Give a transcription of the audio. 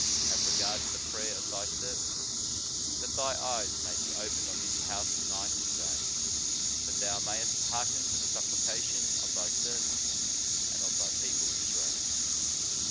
... Have regard to the prayer of thy servant. ... That thy eyes may be opened on this house night and day; .. That thou mayest hearken to the supplication of thy servant, and of thy people Israel."